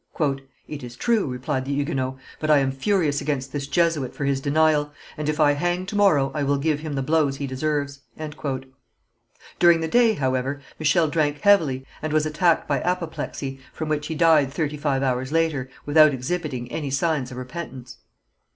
"It is true," replied the Huguenot, "but I am furious against this Jesuit for his denial, and if I hang to morrow I will give him the blows he deserves." During the day, however, Michel drank heavily and was attacked by apoplexy, from which he died thirty five hours later, without exhibiting any signs of repentance.